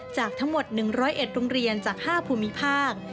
จากทั้งหมด๑๐๑โรงเรียนจาก๕ภูมิภาค